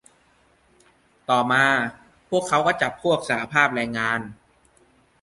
ต่อมา พวกเขามาจับพวกสหภาพแรงงาน